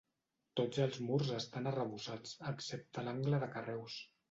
Tots els murs estan arrebossats, excepte l’angle de carreus.